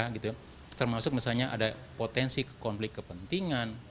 ya gitu termasuk misalnya ada potensi konflik kepentingan